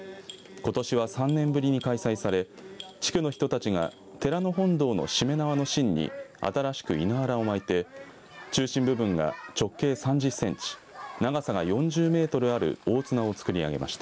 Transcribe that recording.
ことしは３年ぶりに開催され地区の人たちが寺の本堂のしめ縄の芯に新しく稲わらを巻いて中心部分が直径３０センチ長さが４０メートルある大綱を作りあげました。